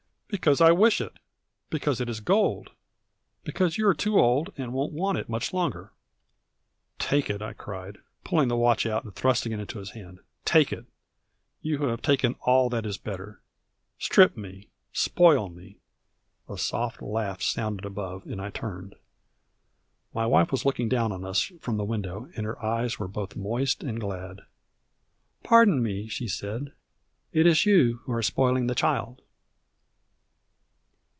"Because I wish it; because it is gold; because you are too old, and won't want it much longer." "Take it," I cried, pulling the watch out and thrusting it into his hand. "Take it you who have taken all that is better! Strip me, spoil me " A soft laugh sounded above, and I turned. My wife was looking down on us from the window, and her eyes were both moist and glad. "Pardon me," she said, "it is you who are spoiling the child."